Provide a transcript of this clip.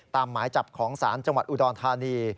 หมายจับของศาลจังหวัดอุดรธานี